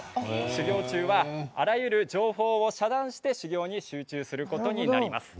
修行中はあらゆる情報を遮断して修行に集中することになります。